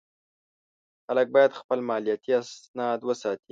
خلک باید خپل مالیاتي اسناد وساتي.